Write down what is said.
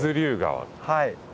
はい。